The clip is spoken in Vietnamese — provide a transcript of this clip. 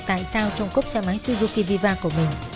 tại sao trong cốc xe máy suzuki viva của mình